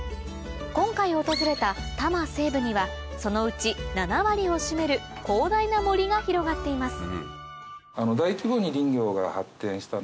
今回訪れた多摩西部にはそのうち７割を占める広大な森が広がっています